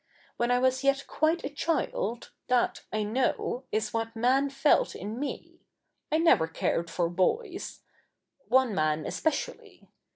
lVhe?i I was yet quite a child, that, I knoiv, is what man felt in me —/ Jiever cared for boys — o?ie jnan especially.